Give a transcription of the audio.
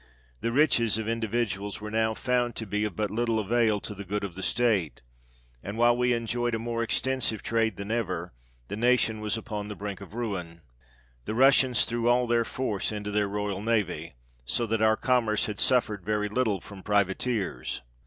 The riches of individuals were now found to be of but 16 THE REIGN OF GEORGE VI. little avail to the good of the state, and while we en joyed a more extensive trade than ever, the nation was upon the brink of ruin. The Russians threw all their force into their royal navy, so that our commerce had suffered very little from privateers.